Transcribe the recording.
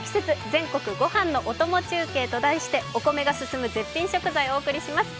「全国ご飯のお供中継」と題してお米が進む絶品食材をお送りします。